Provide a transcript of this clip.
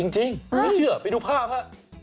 จริงไม่เชื่อไปดูภาพฮะ